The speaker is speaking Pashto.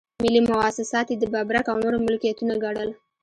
ملي مواسسات یې د ببرک او نورو ملکيتونه ګڼل.